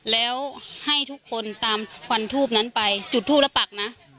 แล้วให้ทุกคนตามควันทูบนั้นไปจุดทูปแล้วปักนะ